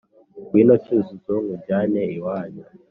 Ngwino Cyuzuzo nkujyane iwanyu